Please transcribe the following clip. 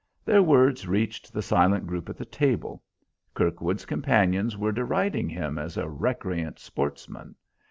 Their words reached the silent group at the table. Kirkwood's companions were deriding him as a recreant sportsman.